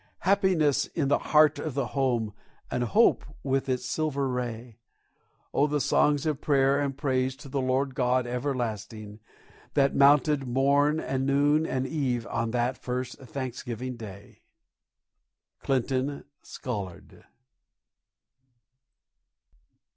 Happiness in the heart of the home, and hope with its silver ray! Oh, the songs of prayer and praise to the Lord God everlasting That mounted morn and noon and eve on that first Thanksgiving Day! CLINTON SCOLLARD.